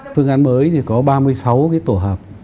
phương án mới thì có ba mươi sáu cái tổ hợp